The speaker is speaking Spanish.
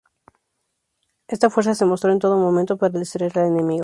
Esta fuerza se mostró en todo momento para distraer al enemigo.